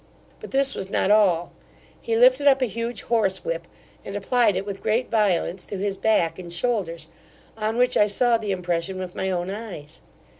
But this was not all He lifted up a huge horse whip, and applied it with great violence to his back and shoulders, on which I saw the impression with my own eyes.